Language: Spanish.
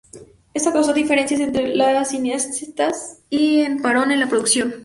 Esto causó diferencias entre los cineastas y un parón en la producción.